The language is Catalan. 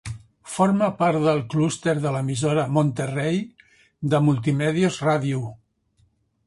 Forma part del clúster de l'emissora Monterrey de Multimedios Radio.